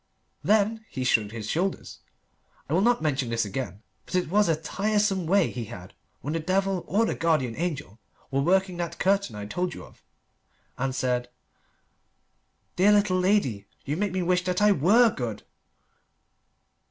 Then he shrugged his shoulders I will not mention this again, but it was a tiresome way he had when the devil or the guardian angel were working that curtain I told you of and said "Dear little lady you make me wish that I were good."